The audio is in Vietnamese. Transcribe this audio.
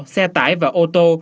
xe tải và ô tô